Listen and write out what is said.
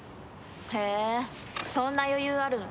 へえそんな余裕あるの？